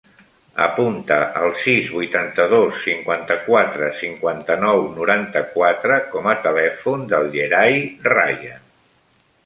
Apunta el sis, vuitanta-dos, cinquanta-quatre, cinquanta-nou, noranta-quatre com a telèfon del Yeray Raya.